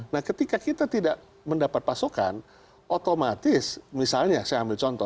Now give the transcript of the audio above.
nah ketika kita tidak mendapat pasokan otomatis misalnya saya ambil contoh